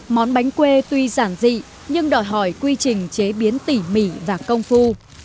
món bánh quê tuy giản dị nhưng đòi hỏi quy trình chế biến tỉ mỉ và công phu